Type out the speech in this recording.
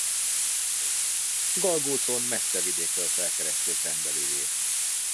Galgócon messze vidékről felkeresték rendelőjét.